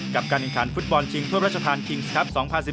กับการแข่งขันฟุตบอลชิงทั่วพระชะทานกิมส์คลับ๒๐๑๗